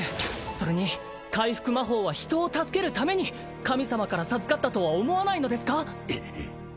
それに回復魔法は人を助けるために神様から授かったとは思わないのですか？